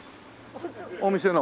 お店の？